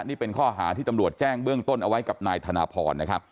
นี่เป็นข้อหาที่ตำรวจแจ้งเบื้องต้นเอาไว้กับนายธนพรนะครับ